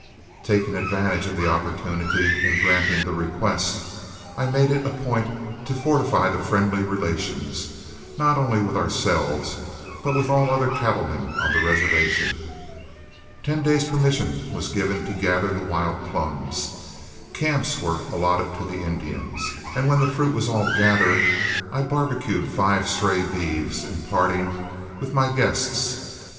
Taking advantage of the opportunity, in granting the request I made it a point to fortify the friendly relations, not only with ourselves, but with all other cattlemen on the reservation. Ten days' permission was given to gather the wild plums, camps were allotted to the Indians, and when the fruit was all gathered, I barbecued five stray beeves in parting with my guests.